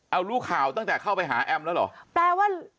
เอารู้ข่าวตั้งแต่เข้าไปหาแอมป์แล้วเหรอ